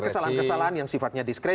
kesalahan kesalahan yang sifatnya diskresi